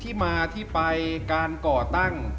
ที่มาที่ไปการก่อตั้ง